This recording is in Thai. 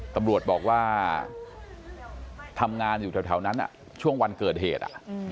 ตำรวจบอกว่าทำงานอยู่แถวนั้นช่วงวันเกิดเหตุ